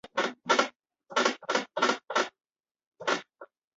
叉膜石蛏为贻贝科石蛏属的动物。